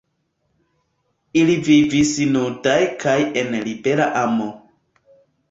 Ili vivis nudaj kaj en libera amo.